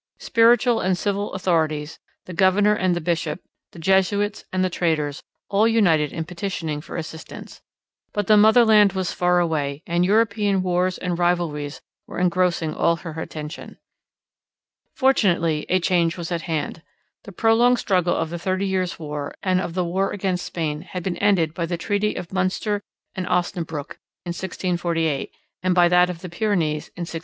Spiritual and civil authorities, the governor and the bishop, the Jesuits and the traders, all united in petitioning for assistance. But the motherland was far away, and European wars and rivalries were engrossing all her attention. Fortunately a change was at hand. The prolonged struggle of the Thirty Years' War and of the war against Spain had been ended by the treaty of Munster and Osnabruck in 1648 and by that of the Pyrenees in 1659.